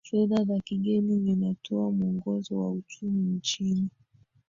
fedha za kigeni zinatoa mwongozo wa uchumi nchini